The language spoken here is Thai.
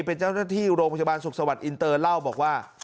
เป็นเจ้าหน้าที่โรงพยาบาลสุขสวัสดิอินเตอร์เล่าบอกว่า